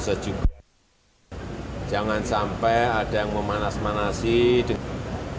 kemudian di nag districts dan kabraskan ditujukan